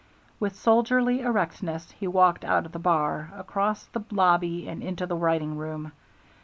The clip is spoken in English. With soldierly erectness he walked out of the bar, across the lobby, and into the writing room.